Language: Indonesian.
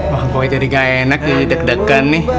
wah pokoknya jadi gak enak jadi deg degan nih